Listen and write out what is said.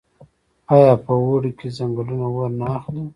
آیا په اوړي کې ځنګلونه اور نه اخلي؟